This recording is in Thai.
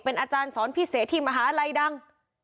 อาจารย์สอนพิเศษที่มหาลัยดัง